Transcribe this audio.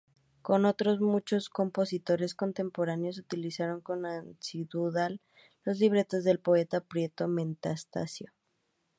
Como otros muchos compositores contemporáneos, utilizó con asiduidad los libretos del poeta Pietro Metastasio.